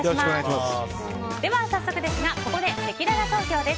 では早速ですがここでせきらら投票です。